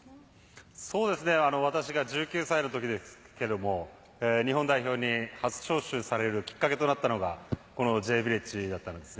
そうですね、私が１９歳の時ですけれども、日本代表に初招集されるきっかけとなったのが、このＪヴィレッジだったんです。